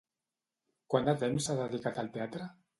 Quant de temps s'ha dedicat al teatre?